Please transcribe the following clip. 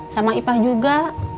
sama ipah juga